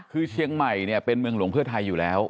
คือเชียงใหม่เนี่ยเป็นเมืองหลวงเพื่อไทยอยู่แล้ว